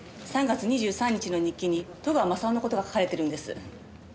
３月２３日の日記に戸川雅夫の事が書かれてるんです。